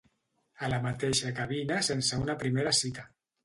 A la mateixa cabina sense una primera cita.